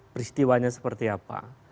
peristiwanya seperti apa